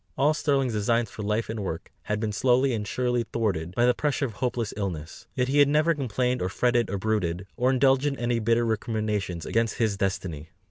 All Sterling's designs for life and work had been slowly and surely thwarted by the pressure of hopeless illness; yet he had never complained or fretted or brooded, or indulged in any bitter recriminations against his destiny.